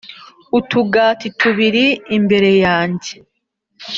Utugati tubiri imbere yanjye